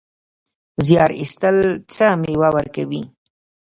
زیار ایستل څه مېوه ورکوي؟